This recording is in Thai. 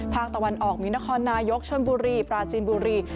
ภาคตะวันออกมีนครนายกชนบุรีปราจีนบุรี